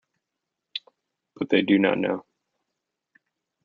But they do not know.